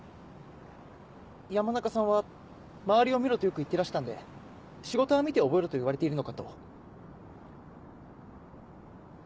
山中さんは周りを見ろとよく言ってらしたんで仕事は見て覚えろと言われているのかと。